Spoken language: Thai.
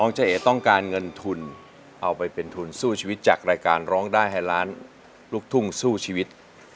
เจ๊เอ๋ต้องการเงินทุนเอาไปเป็นทุนสู้ชีวิตจากรายการร้องได้ให้ล้านลูกทุ่งสู้ชีวิต